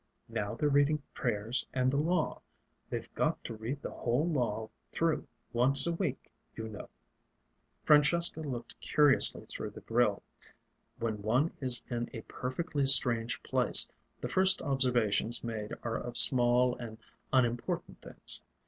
Now they're reading prayers and the Law. They've got to read the whole Law through once a week, you know." Francesca looked curiously through the grill. When one is in a perfectly strange place, the first observations made are of small and unimportant things.